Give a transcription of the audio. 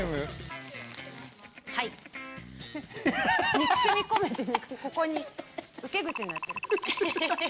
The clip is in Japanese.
憎しみ込めてここに受け口になってる。